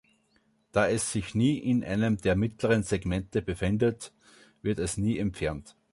Da es sich nie in einem der mittleren Segmente befindet, wird es nie entfernt.